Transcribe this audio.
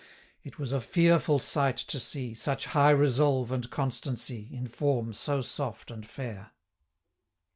It was a fearful sight to see Such high resolve and constancy, In form so soft and fair.